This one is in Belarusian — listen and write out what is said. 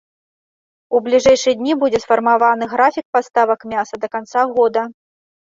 У бліжэйшыя дні будзе сфармаваны графік паставак мяса да канца года.